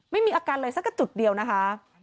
ไม่มีอาการเลยสักกระจุดเดียวนะคะ